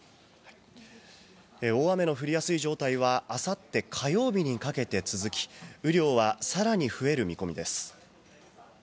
雨の降りやすい状態は、あさって火曜日にかけて続き、雨量はさらに増える見込みです。